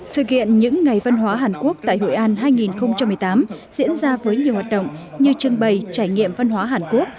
sự kiện những ngày văn hóa hàn quốc tại hội an hai nghìn một mươi tám diễn ra với nhiều hoạt động như trưng bày trải nghiệm văn hóa hàn quốc